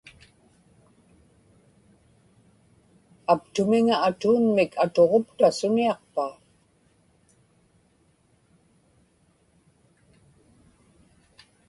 aptumiŋa atuunmik atuġupta suniaqpa?